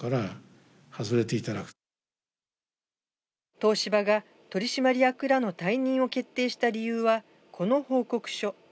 東芝が取締役らの解任を決定した理由は、この報告書。